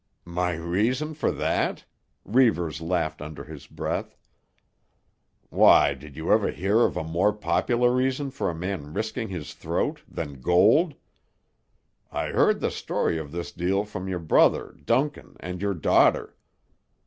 "My reason for that?" Reivers laughed under his breath. "Why, did you ever hear of a more popular reason for a man risking his throat than gold? I heard the story of this deal from your brother Duncan and your daughter.